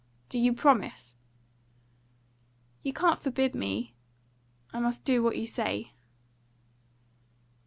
Do you promise?" "You can forbid me. I must do what you say."